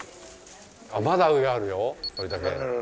まだ上あるよ憲武。